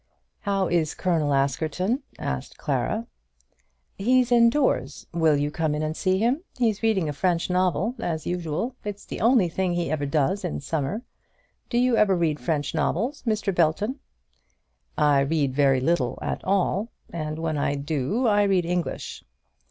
"How is Colonel Askerton?" asked Clara. "He's in doors. Will you come and see him? He's reading a French novel, as usual. It's the only thing he ever does in summer. Do you ever read French novels, Mr. Belton?" "I read very little at all, and when I do I read English."